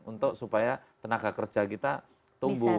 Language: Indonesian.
untuk supaya tenaga kerja kita tumbuh